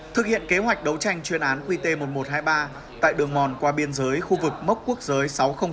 thực hiện kế hoạch đấu tranh chuyên án qt một nghìn một trăm hai mươi ba tại đường mòn qua biên giới khu vực mốc quốc giới sáu trăm linh sáu